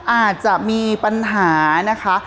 อาจจะมีปัญหานะคะ